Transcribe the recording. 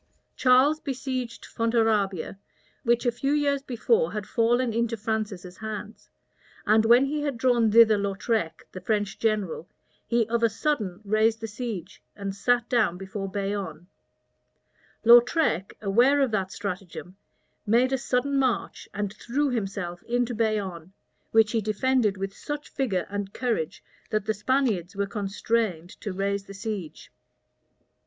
Charles besieged Fontarabia, which a few years before had fallen into Francis's hands; and when he had drawn thither Lautrec, the French general, he of a sudden raised the siege, and sat down before Bayonne. Lautrec, aware of that stratagem, made a sudden march, and threw himself into Bayonne, which he defended with such vigor and courage, that the Spaniards were constrained to raise the siege.